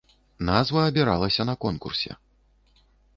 Назва абіралася на конкурсе.